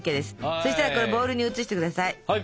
そしたらこれボールに移して下さい。